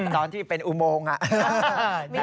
ตอนที่เป็นอุโมง